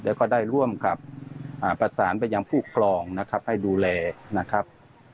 แล้วก็ได้ร่วมกับประสานไปยังผู้ครองนะครับให้ดูแลนะครับ